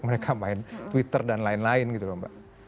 mereka main twitter dan lain lain gitu loh mbak